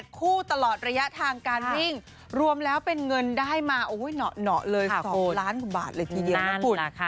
คู่ตลอดระยะทางการวิ่งรวมแล้วเป็นเงินได้มาเหนาะเลย๒ล้านกว่าบาทเลยทีเดียวนะคุณ